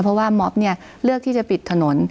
เพราะว่าม็อบเนี่ยเลือกที่จะปิดถนน